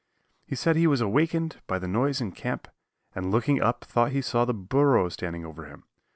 He said he was awakened by the noise in camp, and looking up thought he saw the burro standing over him.